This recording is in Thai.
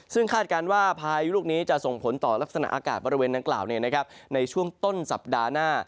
ซึ่งคาดการณ์ว่าพายุลูกนี้จะส่งผลต่อลักษณะอากาศบริเวณดังกล่าวในช่วงต้นสัปดาห์หน้า